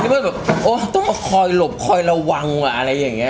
ฉันรู้๗๒๐ต้องมาคอยหลบคอยระวังอะไรอย่างเงี้ย